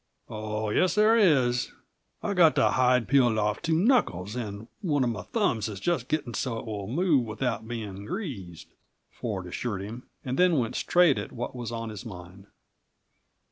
"Oh, yes there is. I've got the hide peeled off two knuckles, and one of my thumbs is just getting so it will move without being greased," Ford assured him, and then went straight at what was on his mind.